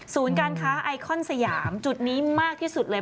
การค้าไอคอนสยามจุดนี้มากที่สุดเลย